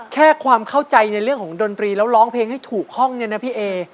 แค่ความเข้าใจในเรื่องของดนตรีแล้วร้องเพลงให้ถูกห้องเนี่ยนะพี่เอ